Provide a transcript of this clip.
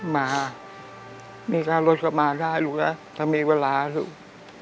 มามีค่ารถก็มาได้ลูกนะถ้ามีเวลาลูก